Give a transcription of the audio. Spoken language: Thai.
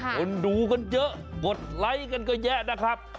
คนดูกันเยอะกดไลค์กันก็แยะนะครับ